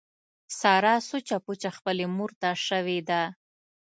ساره سوچه پوچه خپلې مورته شوې ده.